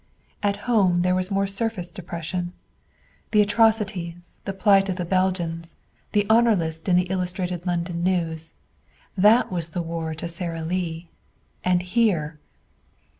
At home there was more surface depression. The atrocities, the plight of the Belgians, the honor list in the Illustrated London News that was the war to Sara Lee. And here!